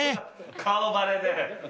顔バレで。